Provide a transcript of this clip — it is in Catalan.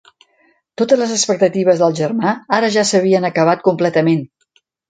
Totes les expectatives del germà, ara ja s'havien acabat completament.